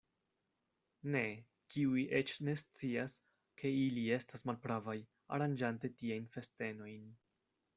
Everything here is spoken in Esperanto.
Ne, kiuj eĉ nescias, ke ili estas malpravaj, aranĝante tiajn festenojn.